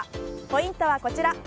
ポイントはこちら。